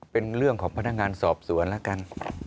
เป็นเรื่องของพนักงานสอบสวนแล้วกัน